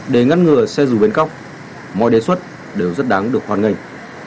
để ngăn ngừa xe dù biến cóc mọi đề xuất đều rất đáng được hoàn ngành